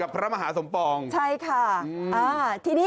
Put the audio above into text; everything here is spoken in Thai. พี่บอกว่าบ้านทุกคนในที่นี่